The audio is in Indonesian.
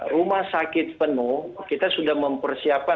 rumah sakit penuh kita sudah mempersiapkan